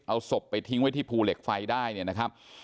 เอาศพไปทิ้งไว้ที่ภูเหล็กไฟได้เนี่ยนะครับ